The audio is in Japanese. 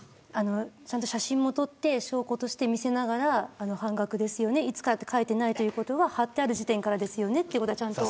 写真を撮って証拠として見せながら半額ですよね、いつからと書いてないということは貼ってある時点からですよねというのはちゃんと。